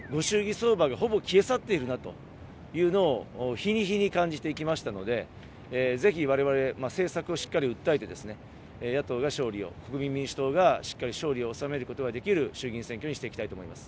相場がほぼ消え去っているなというのを、日に日に感じてきましたので、ぜひわれわれ、政策をしっかり訴えて、野党が勝利を、国民民主党がしっかり勝利を収めることができる衆議院選挙にしていきたいと思います。